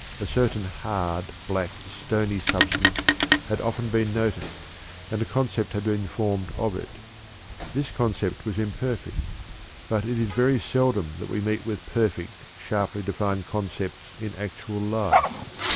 A certain hard, black, stony substance had often been noticed, and a concept had been formed of it. This concept was imperfect; but it is very seldom that we meet with perfect, sharply defined concepts in actual life.